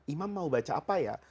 imam mau baca apa ya